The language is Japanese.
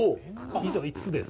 以上、５つです。